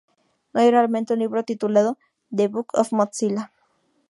No hay realmente un libro titulado "The Book of Mozilla".